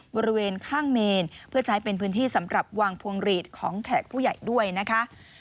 บริเวณข้างเมนเพื่อใช้เป็นพื้นที่สำหรับวางพวงหลีดของแขกผู้ใหญ่ด้วยนะคะ